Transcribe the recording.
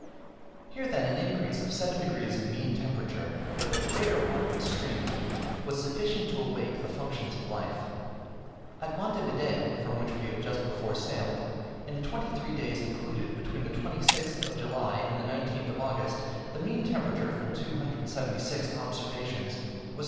Here, then, an increase of seven degrees in mean temperature, but a greater one of extreme heat, was sufficient to awake the functions of life. At Monte Video, from which we had just before sailed, in the twenty three days included between the 26th of July and the 19th of August, the mean temperature from 276 observations was 58.